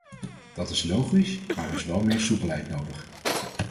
Dat is logisch maar er is wel meer soepelheid nodig.